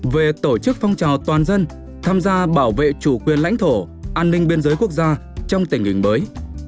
về tổ chức phong trào toàn dân tham gia bảo vệ chủ quyền lãnh thổ an ninh biên giới quốc gia trong tình hình mới